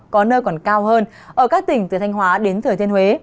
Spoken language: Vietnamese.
có nơi còn cao hơn ở các tỉnh từ thanh hóa đến thừa thiên huế